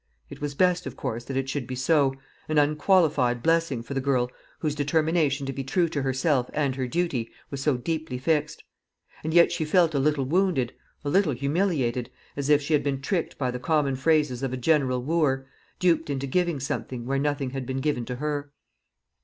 It was best, of course, that it should be so an unqualified blessing for the girl whose determination to be true to herself and her duty was so deeply fixed; and yet she felt a little wounded, a little humiliated, as if she had been tricked by the common phrases of a general wooer duped into giving something where nothing had been given to her.